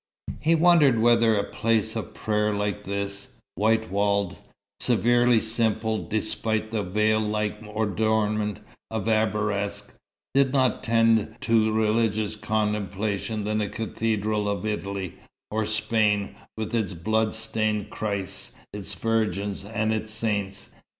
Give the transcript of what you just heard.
He wondered whether a place of prayer like this white walled, severely simple despite the veil like adornment of arabesques did not more tend to religious contemplation than a cathedral of Italy or Spain, with its bloodstained Christs, its Virgins, and its saints.